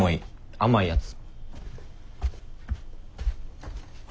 甘いやつ。